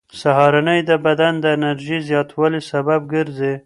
سهارنۍ د بدن د انرژۍ زیاتوالي سبب ګرځي.